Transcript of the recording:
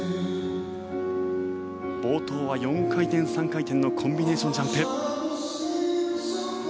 冒頭は４回転、３回転のコンビネーションジャンプ。